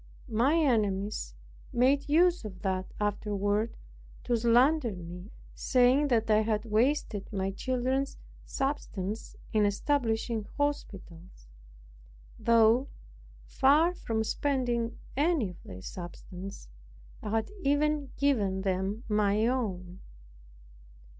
My enemies made use of that afterward to slander me, saying that I had wasted my children's substance in establishing hospitals, though, far from spending any of their substance, I had even given them my own.